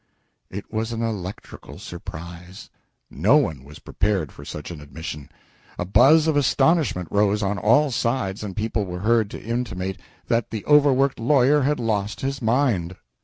It was an electrical surprise. No one was prepared for such an admission. A buzz of astonishment rose on all sides, and people were heard to intimate that the overworked lawyer had lost his mind.